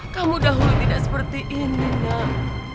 kamu dahulu tidak seperti ini nak